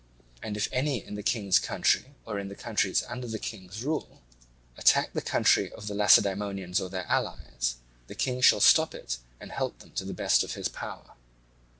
And if any in the King's country or in the countries under the King's rule attack the country of the Lacedaemonians or their allies, the King shall stop it and help them to the best of his power.